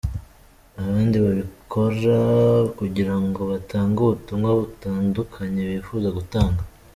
Abandi babikora kugira ngo batange ubutumwa butandukanye bifuza gutanga.